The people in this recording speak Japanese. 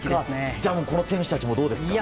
じゃあもう、この選手たちはどうですか？